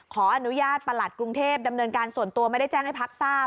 ขออนุญาตประหลัดกรุงเทพดำเนินการส่วนตัวไม่ได้แจ้งให้พักทราบ